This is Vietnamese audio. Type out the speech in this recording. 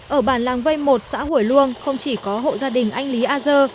ở bản làng vây một xã hủy luông không chỉ có hộ gia đình anh lý a dơ